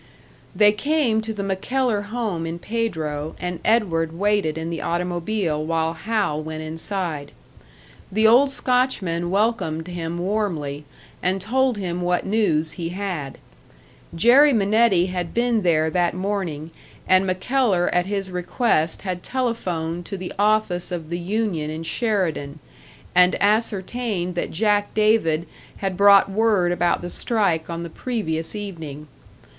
They came to the MacKellar home in Pedro, and Edward waited in the automobile while Hal went inside. The old Scotchman welcomed him warmly, and told him what news he had. Jerry Minetti had been there that morning, and MacKellar at his request had telephoned to the office of the union in Sheridan, and ascertained that Jack David had brought word about the strike on the previous evening.